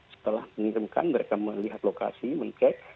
setelah mengirimkan mereka melihat lokasi meng check